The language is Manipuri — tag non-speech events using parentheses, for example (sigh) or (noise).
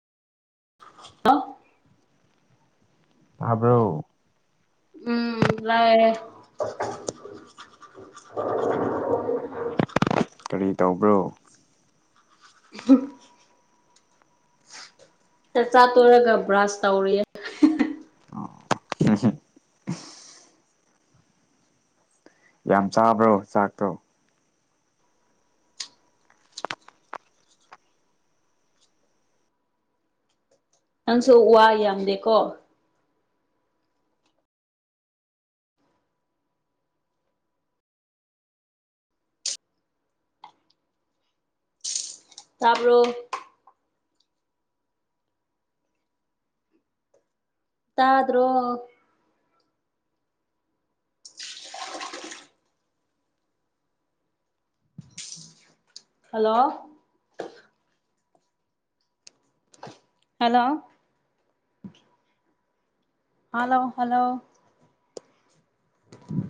ꯍꯜꯂꫭ ꯇꯥꯕ꯭ꯔꫭ ꯎꯝ ꯇꯥꯌꯦ ꯀꯔꯤ ꯇꯧꯕ꯭ꯔꯣ ꯎ ꯆꯥꯛꯆꯥ ꯇꫭꯛ ꯕ꯭ꯔꯥꯁ ꯇꯧꯔꯤꯌꯦ ꯎꯝ ꯍꯨꯝ ꯌꯥꯝ ꯆꯥꯕ꯭ꯔꯣ ꯆꯥꯛꯇꯣ ꯅꯪꯁꯨ ꯋꯥ ꯌꯥꯝꯗꯦꯀꯣ ꯇꯥꯕ꯭ꯔꫭ ꯇꯥꯗ꯭ꯔꯣ ꯍꯜꯂꯣ ꯍꯜꯂꯣ ꯍꯂꯣ ꯍꯜꯂꯣ (unintelligible)